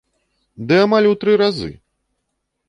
Ды амаль у тры разы!